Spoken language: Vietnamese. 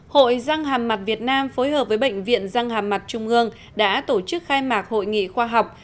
hội răng hàm mặt việt nam phối hợp với bệnh viện răng hàm mặt trung ương đã tổ chức khai mạc hội nghị khoa học